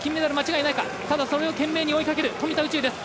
ただ、それを懸命に追いかける富田宇宙です。